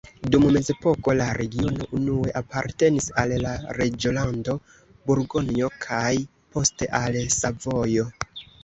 Dum mezepoko la regiono unue apartenis al la reĝolando Burgonjo kaj poste al Savojo.